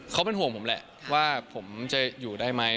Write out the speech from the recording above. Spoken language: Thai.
เขาเป็นห่วงผมแหละว่าผมจะอยู่ได้ไหม